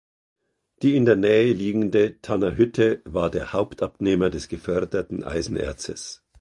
Die in der Nähe liegende Tanner Hütte war der Hauptabnehmer des geförderten Eisenerzes.